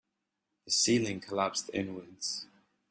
The ceiling collapsed inwards.